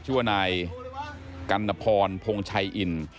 ชื่อว่านายกัณฑรพงชัยอิน